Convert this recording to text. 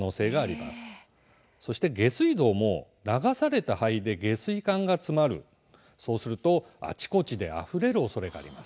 また下水道も流された灰で下水管が詰まるそうすると、あちこちであふれるおそれがあります。